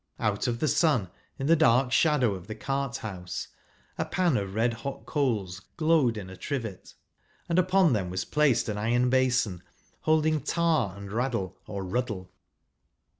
Out of the sun, in the dark shadow of the cart house, a pan of red hot coals glowed in a trivet ; and upon them was placed an iron basin holding tar and raddle, or rud¬ dle.